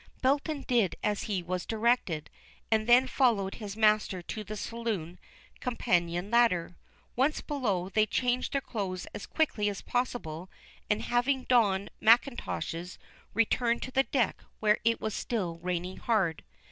Belton did as he was directed, and then followed his master to the saloon companion ladder. Once below, they changed their clothes as quickly as possible, and having donned mackintoshes, returned to the deck, where it was still raining hard.